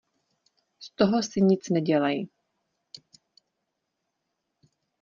Z toho si nic nedělej.